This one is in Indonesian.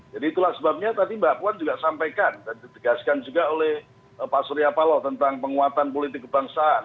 jadi itulah sebabnya tadi mbak puan juga sampaikan dan ditegaskan juga oleh pak surya paloh tentang penguatan politik kebangsaan